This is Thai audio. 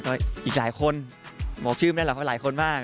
ก็อีกหลายคนบอกชื่อไม่ได้หรอกว่าหลายคนมาก